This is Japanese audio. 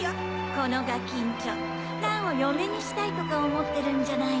このガキんちょ蘭を嫁にしたいとか思ってるんじゃないの？